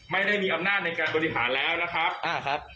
ไม่ได้มีอำนาจในการบริหารแล้วนะครับอ่าครับ